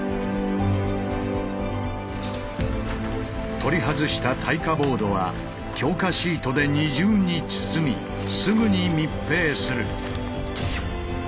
取り外した耐火ボードは強化シートで二重に包みすぐに密閉する。